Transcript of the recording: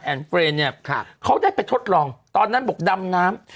เฟรนเนี่ยเขาได้ไปทดลองตอนนั้นบอกดำน้ำ